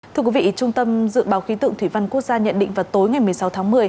thưa quý vị trung tâm dự báo khí tượng thủy văn quốc gia nhận định vào tối ngày một mươi sáu tháng một mươi